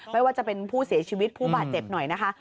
ไม่ว่าจะเป็นผู้เสียชีวิตผู้บาดเจ็บหน่อยนะคะ